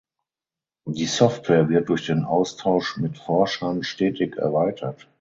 Die Software wird durch den Austausch mit Forschern stetig erweitert.